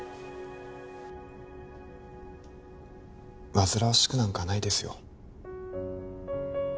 煩わしくなんかないですよ